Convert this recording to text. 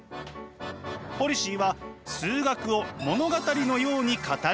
ポリシーは数学を物語のように語ること。